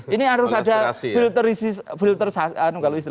ini harus ada filterisasi